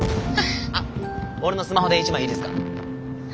あっ俺のスマホで１枚いいですか？